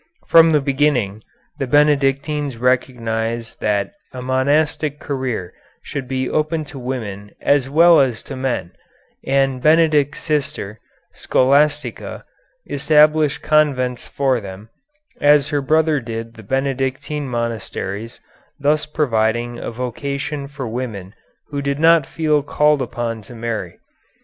From the beginning the Benedictines recognized that a monastic career should be open to women as well as to men, and Benedict's sister, Scholastica, established convents for them, as her brother did the Benedictine monasteries, thus providing a vocation for women who did not feel called upon to marry.